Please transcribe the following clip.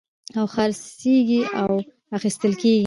او خرڅېږي او اخيستل کېږي.